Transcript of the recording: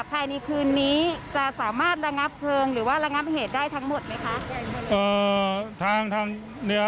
ภายในคืนนี้จะสามารถระงับเพลิงหรือว่าระงับเหตุได้ทั้งหมดไหมคะ